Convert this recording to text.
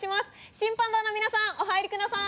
審判団の皆さんお入りください。